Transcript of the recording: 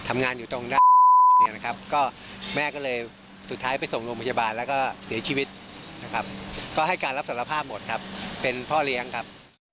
แม่ก็เลยสุดท้ายไปส่งโรงพยาบาลแล้วก็เสียชีวิตนะครับก็ให้การรับสารภาพหมดครับเป็นพ่อเลี้ยงครับ